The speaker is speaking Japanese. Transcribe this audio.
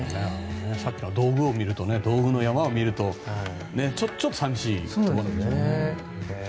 さっきから道具の山を見るとちょっと、寂しいところだよね。